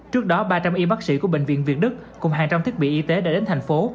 trước đó ba trăm linh y bác sĩ của bệnh viện việt đức cùng hàng trăm thiết bị y tế đã đến thành phố